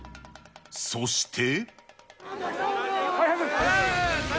そして。